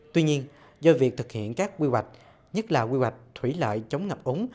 tuy nhiên do việc thực hiện các quy hoạch nhất là quy hoạch thủy lợi chống ngập ống